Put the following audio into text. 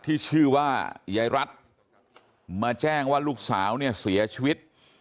ที่ชื่อว่ายายรัฐมาแจ้งว่าลูกสาวเนี่ยเสียชีวิต